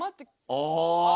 ああ。